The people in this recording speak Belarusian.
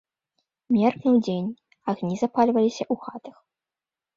Меркнуў дзень, агні запальваліся ў хатах.